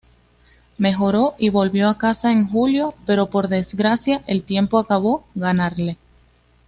Mejoró y volvió a casa en julio, pero por desgracia, el tiempo acabó ganarle.